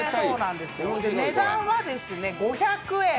値段は５００円。